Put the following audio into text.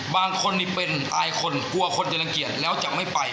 บางคนนี่เป็นอายคนกลัวคนจะรังเกียจแล้วจะไม่ไป